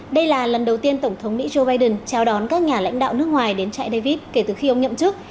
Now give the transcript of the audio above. đây là lần đầu tiên tổng thống mỹ joe biden chào đón các nhà lãnh đạo nước ngoài đến trại david kể từ khi ông nhậm chức